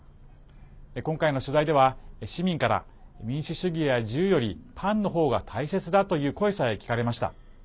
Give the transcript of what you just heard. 今回の取材では、市民から民主主義や自由より、パンの方が大切だという声さえ聞かれました。